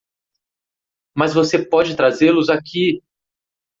Mas você pode trazê-los aqui!